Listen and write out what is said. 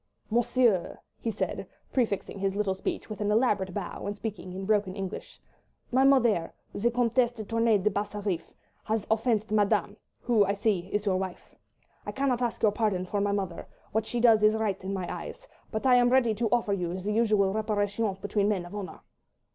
"Monsieur," he said, prefixing his little speech with an elaborate bow, and speaking in broken English, "my mother, the Comtesse de Tournay de Basserive, has offenced Madame, who, I see, is your wife. I cannot ask your pardon for my mother; what she does is right in my eyes. But I am ready to offer you the usual reparation between men of honour."